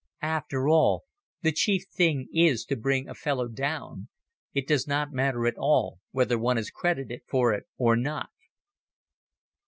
After all, the chief thing is to bring a fellow down. It does not matter at all whether one is credited for it or not.